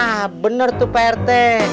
ah bener tuh pak rt